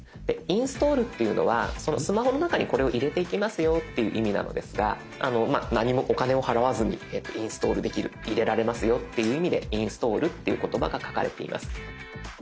インストールっていうのはそのスマホの中にこれを入れていきますよっていう意味なのですが何もお金を払わずにインストールできる入れられますよっていう意味でインストールっていう言葉が書かれています。